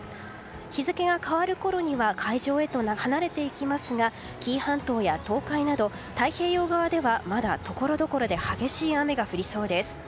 日付が変わるころには海上へと離れていきますが紀伊半島や東海など太平洋側ではまだところどころで激しい雨が降りそうです。